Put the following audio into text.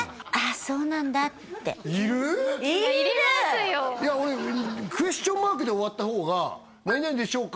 いりますよいや俺クエスチョンマークで終わった方が何々でしょうか？